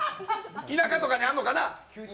田舎とかにあんのかな。